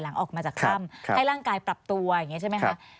ออกมาจากถ้ำให้ร่างกายปรับตัวอย่างนี้ใช่ไหมคะ